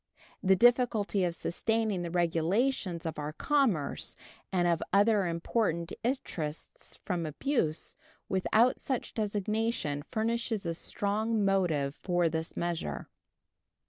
The difficulty of sustaining the regulations of our commerce and of other important interests from abuse without such designation furnishes a strong motive for this measure.